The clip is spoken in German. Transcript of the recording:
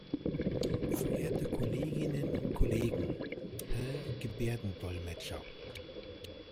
Verehrte Kolleginnen und Kollegen, Herr Gebärdendolmetscher!